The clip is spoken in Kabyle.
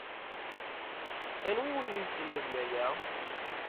Anwi i wen-yeslemden aya?